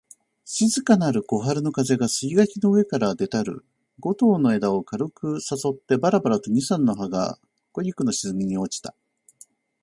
静かなる小春の風が、杉垣の上から出たる梧桐の枝を軽く誘ってばらばらと二三枚の葉が枯菊の茂みに落ちた